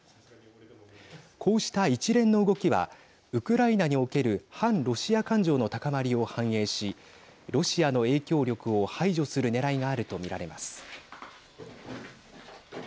こうした一連の動きはウクライナにおける反ロシア感情の高まりを反映しロシアの影響力を排除するねらいがあると見られます。